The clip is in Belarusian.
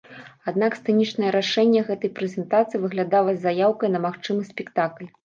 Аднак сцэнічнае рашэнне гэтай прэзентацыі выглядала заяўкай на магчымы спектакль.